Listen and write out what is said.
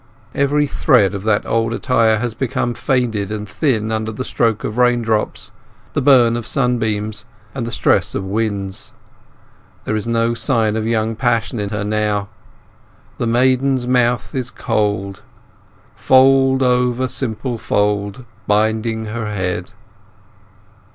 Every thread of that old attire has become faded and thin under the stroke of raindrops, the burn of sunbeams, and the stress of winds. There is no sign of young passion in her now— The maiden's mouth is cold ..... Fold over simple fold Binding her head.